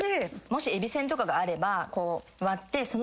もしえびせんとかがあればこう割って。